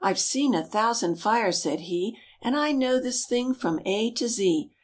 I've seen a thousand fires," said he, "And I know this thing from A to Z.